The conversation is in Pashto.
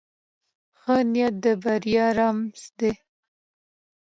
ښه نیت د بریا رمز دی.